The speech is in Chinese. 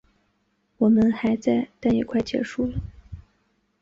我们还在，但也快结束了